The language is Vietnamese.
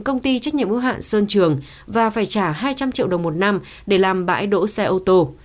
công ty trách nhiệm ưu hạn sơn trường và phải trả hai trăm linh triệu đồng một năm để làm bãi đỗ xe ô tô